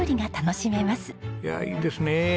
いやいいですね。